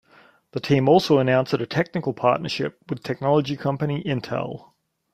The team also announced a technical partnership with technology company Intel.